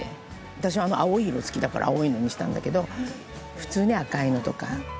私は青い色好きだから青いのにしたんだけど普通に赤いのとか」